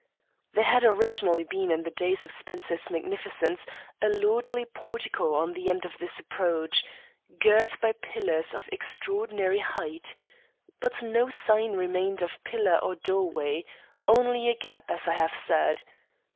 There had originally been in the days of Spencer's magnificence a lordly portico at the end of this approach, girt by pillars of extraordinary height. But no sign remained of pillar, or doorway only a gap, as I have said.